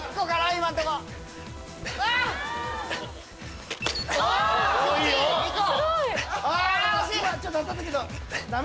今ちょっと当たったけどダメ？